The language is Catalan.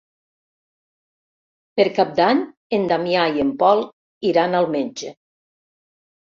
Per Cap d'Any en Damià i en Pol iran al metge.